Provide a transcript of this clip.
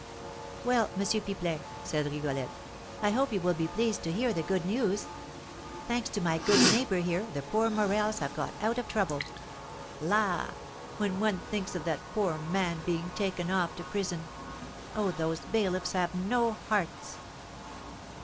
"Well, M. Pipelet," said Rigolette, "I hope you will be pleased to hear the good news. Thanks to my good neighbour here, the poor Morels have got out of trouble. La! when one thinks of that poor man being taken off to prison oh, those bailiffs have no hearts!"